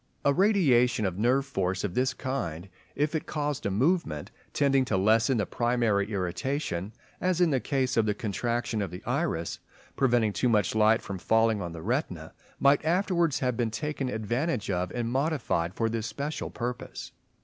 A radiation of nerve force of this kind, if it caused a movement tending to lessen the primary irritation, as in the case of the contraction of the iris preventing too much light from falling on the retina, might afterwards have been taken advantage of and modified for this special purpose.